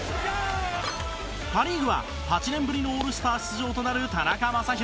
パ・リーグは、８年ぶりのオールスター出場となる田中将大